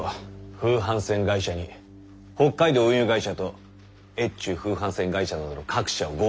風帆船会社に北海道運輸会社と越中風帆船会社などの各社を合同させる。